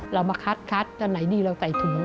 เรามาคัดตอนไหนดีเราใส่ถุง